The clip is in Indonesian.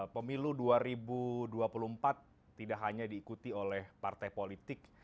pemilu dua ribu dua puluh empat tidak hanya diikuti oleh partai politik